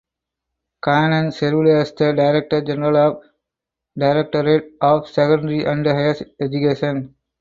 Khanam served as the director general of Directorate of Secondary and Higher Education.